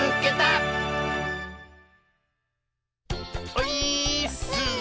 オイーッス！